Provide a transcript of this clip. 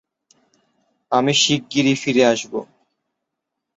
আমি শিগ্গিরি ফিরে আসবো।